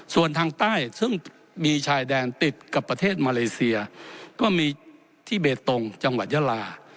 ส่วนทางใต้ซึ่งมีชายแดนติดกับประเทศมาเลเซียก็มีที่เบตงจังหวัดยาลา